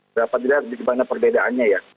dapat dilihat berbagai perbedaannya ya